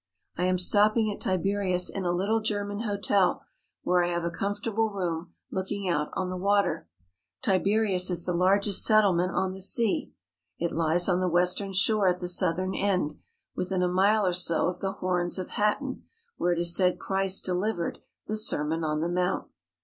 I am stopping at Tiberias in a little German hotel where I have a comfortable room looking out on the water. Tiberias is the largest settlement on the sea. It lies on the western shore at the southern end, within a mile or so of the Horns of Hattin where it is said Christ delivered the Sermon on the Mount.